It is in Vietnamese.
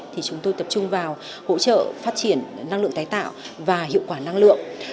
thì chúng tôi tập trung vào hỗ trợ phát triển năng lượng tái tạo và hiệu quả năng lượng